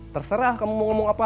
terserah kamu mau ngomong apa